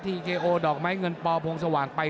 ติดตามยังน้อยกว่า